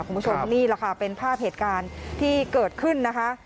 คุณผู้ชมนี่แหละค่ะเป็นภาพเหตุการณ์ที่เกิดขึ้นนะคะ